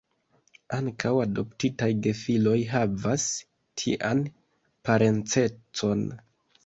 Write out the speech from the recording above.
Ankaŭ adoptitaj gefiloj havas tian parencecon.